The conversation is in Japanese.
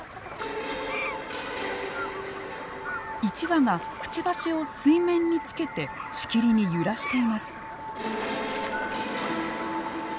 １羽がくちばしを水面につけてしきりに揺らしています。